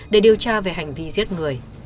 để điều tra về hành vi giết người